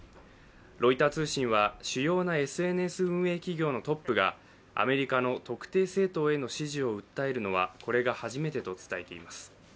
ロイター通信は主要なＳＮＳ運営企業のトップがアメリカの特定政党への支持を訴えるのはこれが初めてと伝えています。